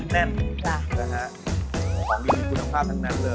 เนื้อปลาแน่น